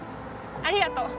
ありがとう。